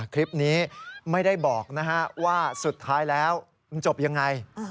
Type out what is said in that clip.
คลิปนี้ไม่ได้บอกว่าสุดท้ายแล้วมันจบยังไง